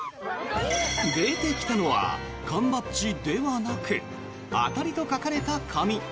出てきたのは缶バッジではなく「当たり」と書かれた紙。